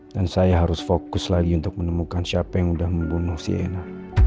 dan saya harus fokus lagi untuk menemukan siapa yang sudah membunuh sienna